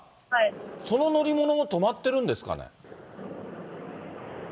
その乗り物も止まってるんですかね。